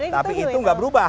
tapi itu gak berubah